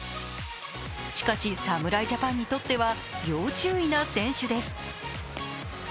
しかし、侍ジャパンにとっては要注意な選手です。